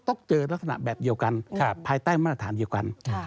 ต้องเจอะไรลักษณะแบบเดียวกันใช่ภายใต้บรรทานเดียวกันค่ะ